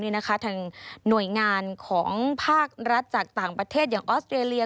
ทางหน่วยงานของภาครัฐจากต่างประเทศอย่างออสเตรเลีย